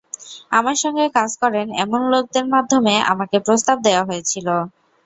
আমার সঙ্গে কাজ করেন এমন লোকদের মাধ্যমে আমাকে প্রস্তাব দেওয়া হয়েছিল।